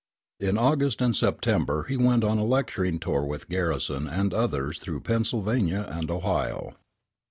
In August and September he went on a lecturing tour with Garrison and others through Pennsylvania and Ohio.